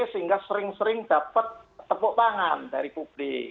sehingga sering sering dapat tepuk tangan dari publik